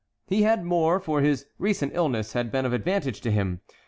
He had more, for his recent illness had been of advantage to him.